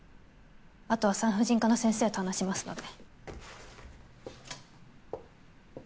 あとは産婦人科の先生と話しますので。